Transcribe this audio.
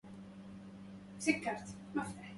لن نشتري سراويل الجين هذه. هذا تبذير فادح للمال.